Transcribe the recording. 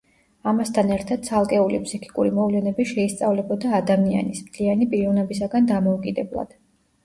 ამასთან ერთად ცალკეული ფსიქიკური მოვლენები შეისწავლებოდა ადამიანის, მთლიანი პიროვნებისაგან დამოუკიდებლად.